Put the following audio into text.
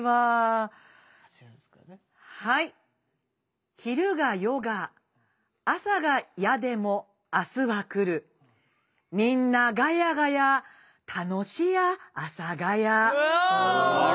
はい「昼が夜が朝が嫌でも明日は来るみんなガヤガヤ楽し家阿佐ヶ谷」。